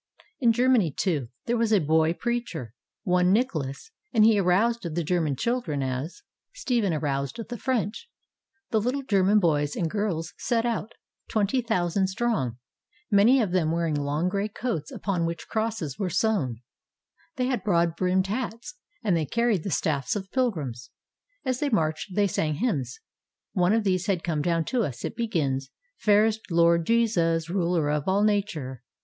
Li Germany, too, there was a boy preacher, one Nicholas; and he aroused the German children as Stephen aroused the French. The httle German boys and girls set out, twenty thousand strong, many of them wearing long gray coats upon which crosses were sewn. 620 THE CHILDREN'S CRUSADE They had broad brimmed hats, and they carried the staffs of pilgrims. As they marched, they sang hymns. One of these has come down to us. It begins, —" Fairest Lord Jesus, Ruler of all nature."